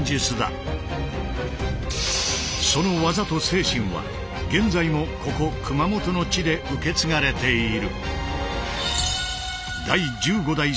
その技と精神は現在もここ熊本の地で受け継がれている。